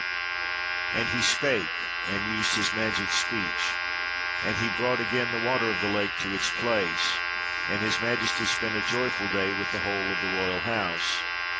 39 EGYPT and used his magic speech; and he brought again the water of the lake to its place. And His Majesty spent a joyful day with the whole of the royal house.